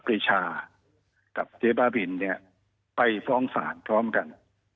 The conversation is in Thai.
ปรีชากับเจ๊บ้าบินเนี่ยไปฟ้องศาลพร้อมกัน